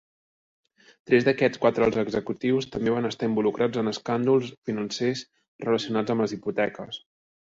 Tres d'aquests quatre alts executius també van estar involucrats en escàndols financers relacionats amb les hipoteques.